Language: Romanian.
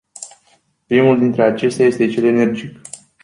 Primul dintre acestea este cel energetic.